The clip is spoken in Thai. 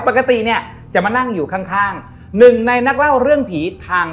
ปกติเนี่ยจะมานั่งอยู่ข้างข้างหนึ่งในนักเล่าเรื่องผีพัง